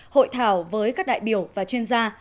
hội thảo với các đại biểu và chuyên gia